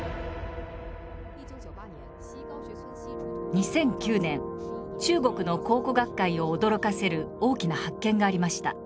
２００９年中国の考古学会を驚かせる大きな発見がありました。